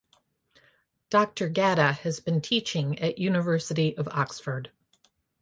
Dr Gada has been teaching at University of Oxford.